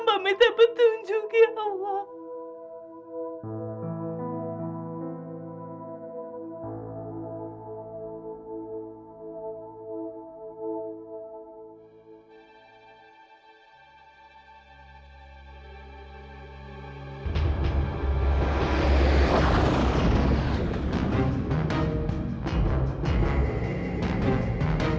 bapak maafkan aku